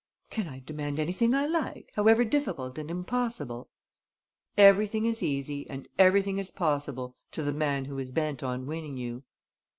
"Can I demand anything I like, however difficult and impossible?" "Everything is easy and everything is possible to the man who is bent on winning you."